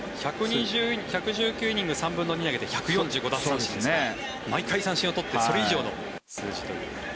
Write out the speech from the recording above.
１１９イニング３分の２投げて１４５奪三振という毎回三振を取ってそれ以上の数字という。